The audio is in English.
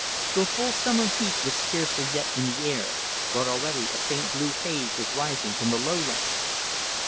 The full summer heat was scarcely yet in the air, but already a faint blue haze was rising from the lowlands.